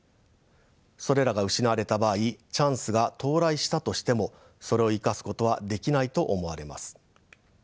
それらが失われた場合チャンスが到来したとしてもそれを生かすことはできないと思われます。